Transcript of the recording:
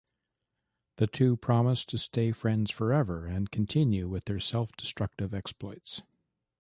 The two promise to stay friends forever and continue with their self-destructive exploits.